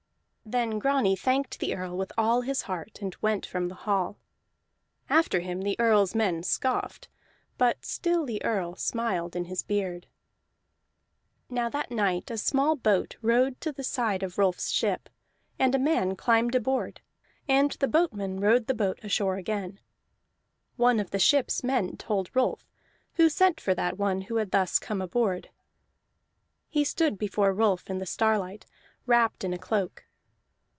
Then Grani thanked the Earl with all his heart, and went from the hall; after him the Earl's men scoffed, but still the Earl smiled in his beard. Now that night a small boat rowed to the side of Rolf's ship, and a man climbed aboard, and the boatmen rowed the boat ashore again. One of the ship's men told Rolf, who sent for that one who had thus come aboard. He stood before Rolf in the starlight, wrapped in a cloak.